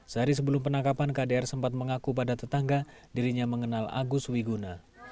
sehari sebelum penangkapan kdr sempat mengaku pada tetangga dirinya mengenal agus wiguna